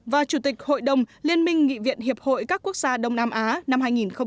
và chủ tịch hội đồng liên minh nghị viện hiệp hội các quốc gia đông nam á năm hai nghìn hai mươi